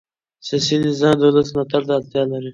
سیاسي نظام د ولس ملاتړ ته اړتیا لري